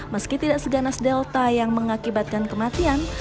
meski tidak seganas delta yang mengakibatkan kematian